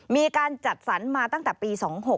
มีการจัดสรรมาตั้งแต่ปี๒๖